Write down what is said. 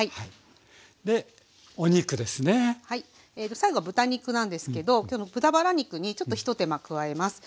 最後は豚肉なんですけど今日豚バラ肉にちょっと一手間加えます。